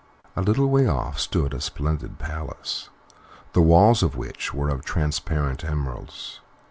A little way off stood a splendid palace, the walls of which were of transparent emeralds.